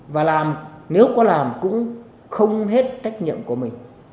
và làm nếu có làm cũng không hết tách nhận của mình